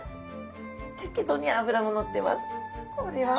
適度に脂ものってます。